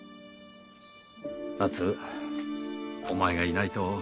奈津お前がいないと。